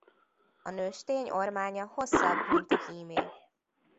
A nőstény ormánya hosszabb mint a hímé.